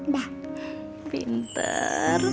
kamu udah makan belum